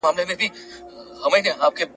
له رویبار، له انتظاره، له پیغامه ګیه من یم !.